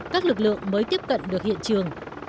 các lực lượng mới tiếp cận được hiện trường